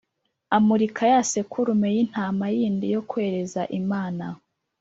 Amurika ya sekurume y’intama yindi yo kwereza Imana